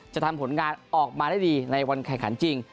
จะทำผลงานออกมาได้ดีในวันแข่งขันจริง